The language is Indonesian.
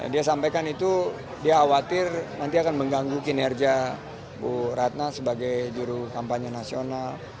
dia sampaikan itu dia khawatir nanti akan mengganggu kinerja bu ratna sebagai juru kampanye nasional